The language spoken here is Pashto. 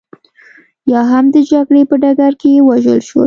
یا هم د جګړې په ډګر کې ووژل شول